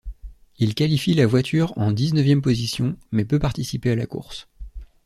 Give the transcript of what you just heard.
Il qualifie la voiture en dix-neuvième position, mais peut participer à la course.